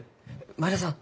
前田さん